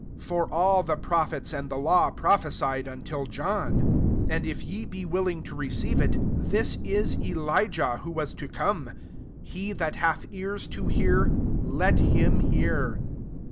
13 For all the pro phets and the law prophesied until John. 14 And if ye be willing to receive iV, this is Eli jah who was to come* 15 He that hath ears to hear, let him hear.